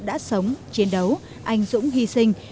đã sống chiến đấu anh dũng hy sinh